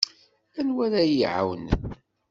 Anwa ara iyi-iɛawnen?